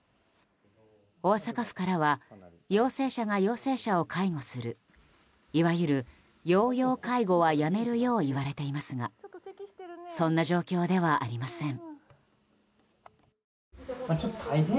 大阪府からは陽性者が陽性者を介護するいわゆる陽陽介護はやめるよう言われていますがそんな状況ではありません。